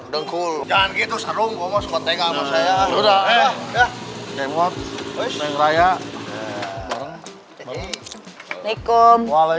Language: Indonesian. jangan gitu seru